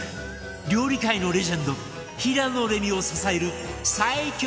料理界のレジェンド平野レミを支える最強！